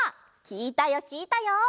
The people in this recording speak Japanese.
きいたよきいたよ。